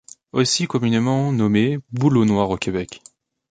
Aussi communément nommé Bouleau noir au Québec.